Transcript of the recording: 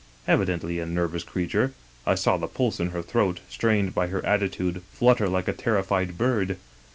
Evidently a nervous creature, I saw the pulse in her throat, strained by her attitude, flutter like a terrified bird.